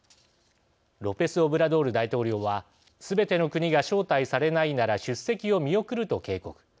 ロペスオブラドール大統領はすべての国が招待されないなら出席を見送ると警告。